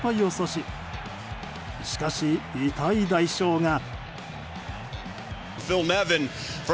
しかし、痛い代償が。